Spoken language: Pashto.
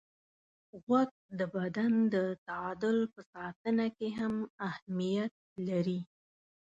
غوږ د بدن د تعادل په ساتنه کې هم اهمیت لري.